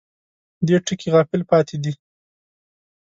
دې ټکي غافل پاتې دي.